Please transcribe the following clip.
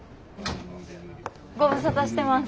ご無沙汰してます。